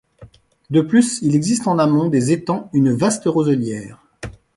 De plus il existe en amont des étangs une vaste roselière.